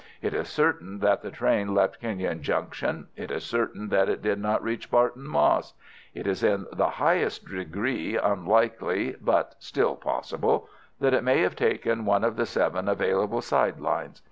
It is certain that the train left Kenyon Junction. It is certain that it did not reach Barton Moss. It is in the highest degree unlikely, but still possible, that it may have taken one of the seven available side lines.